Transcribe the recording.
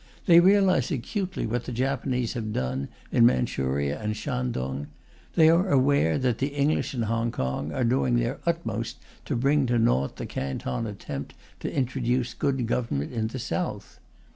They realize acutely what the Japanese have done in Manchuria and Shantung. They are aware that the English in Hong Kong are doing their utmost to bring to naught the Canton attempt to introduce good government in the South.